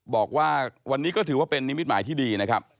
บอกว่าวันนี้ก็ถือว่าเป็นนิมิตหมายที่ดีนะครับ